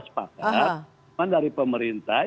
sepakat cuman dari pemerintah